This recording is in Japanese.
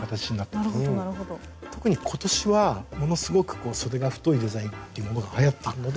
特に今年はものすごくそでが太いデザインっていうものがはやっているので。